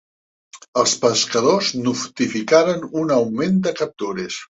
Els pescadors notificaren un augment de captures.